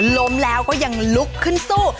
ล้มแล้วก็ยังลุกขึ้นสู้